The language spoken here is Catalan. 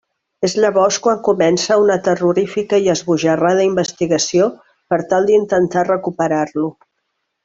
És llavors quan comença una terrorífica i esbojarrada investigació per tal d'intentar recuperar-lo.